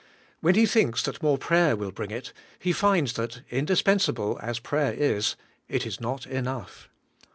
When he thinks that more prayer will bring it, he finds that, indispensable as prayer is, it is not enough.